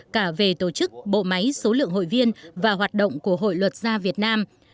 cả về tổ chức bộ máy số lượng hội viên và hoạt động của hội luật gia việt nam